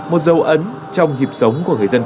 một dấu ấn trong dịp sống của người dân